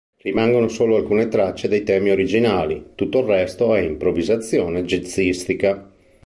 Rimangono solo alcune tracce dei temi originali, tutto il resto è improvvisazione jazzistica.